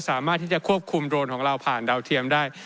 สามารถที่จะควบคุมโดรนของเราผ่านดาวเทียมได้